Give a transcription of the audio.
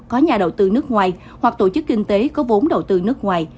có nhà đầu tư nước ngoài hoặc tổ chức kinh tế có vốn đầu tư nước ngoài